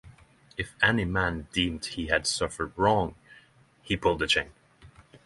If any man deemed he had suffered wrong, he pulled the chain.